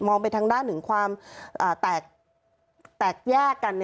ไปทางด้านของความแตกแยกกัน